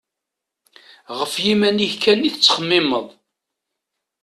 Γef yiman-ik kan i tettxemmimeḍ.